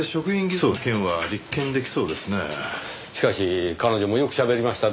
しかし彼女もよく喋りましたね。